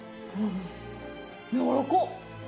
やわらかっ！